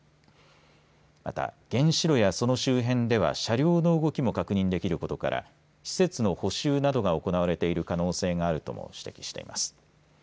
また原子炉やその周辺では車両の動きも確認できることから施設の補修などが行われている可能性があるとも指摘しています。